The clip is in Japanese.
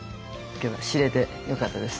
今日は知れてよかったです。